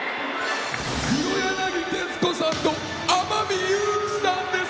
黒柳徹子さんと天海祐希さんです！